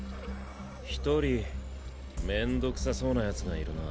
１人めんどくさそうなヤツがいるな。